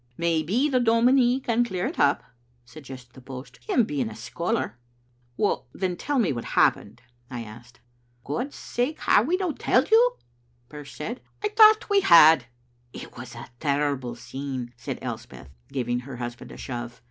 "Maybe the dominie can clear it up," suggested the post, " him being a scholar. " "Then tell me what happened," I asked. "Godsake, hae we no telled you?" Birse said. "I thocht we had." "It was a terrible scene," said Elspeth, giving her husband a shove.